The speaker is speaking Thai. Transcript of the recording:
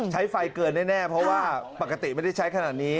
ใช้ไฟเกินแน่เพราะว่าปกติไม่ได้ใช้ขนาดนี้